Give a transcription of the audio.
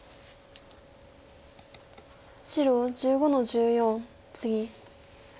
白１５の十四ツギ。